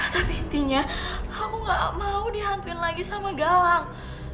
tapi intinya aku gak mau dihantuin lagi sama galang